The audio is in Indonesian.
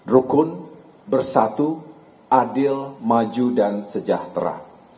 rukun bersatu adil maju dan sejahtera